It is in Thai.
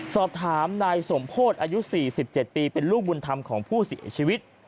สอบถามนายสมโพธิอายุ๔๗ปีเป็นลูกบุญธรรมของผู้เสียชีวิต